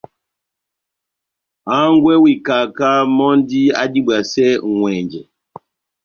Hángwɛ wa ikaká mɔ́ndi adibwasɛ ŋʼwɛnjɛ.